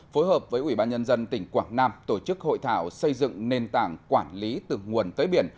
phối hợp với ubnd tỉnh quảng nam tổ chức hội thảo xây dựng nền tảng quản lý từ nguồn tới biển